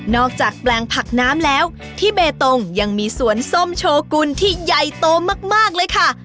จากแปลงผักน้ำแล้วที่เบตงยังมีสวนส้มโชกุลที่ใหญ่โตมากเลยค่ะ